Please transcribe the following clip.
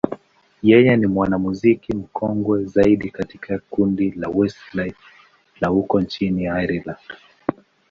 yeye ni mwanamuziki mkongwe zaidi katika kundi la Westlife la huko nchini Ireland.